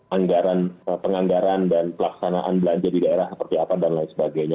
anggaran penganggaran dan pelaksanaan belanja di daerah seperti apa dan lain sebagainya